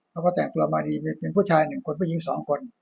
เขาก็แต่งตัวมาดีบวิษฐ์พ่อผู้ชาย๑คนฝ่ายผู้หญิง๒คน